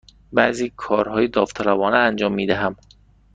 بعضی کارهای داوطلبانه انجام می دهم.